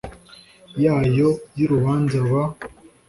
yayo y urubanza b